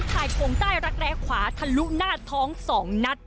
ถ่ายโครงใต้รักแร้ขวาทะลุหน้าท้อง๒นัด